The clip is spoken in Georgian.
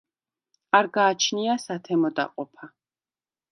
არ გააჩნია სათემო დაყოფა.